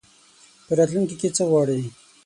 په راتلونکي کي څه غواړې ؟